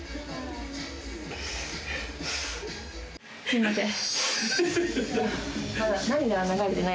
すいません。